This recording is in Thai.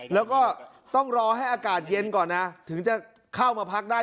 แล้วก็ต้องรอให้อากาศเย็นก่อนนะถึงจะเข้ามาพักได้